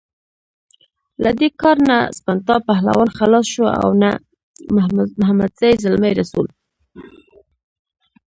له دې کار نه سپنتا پهلوان خلاص شو او نه محمدزی زلمی رسول.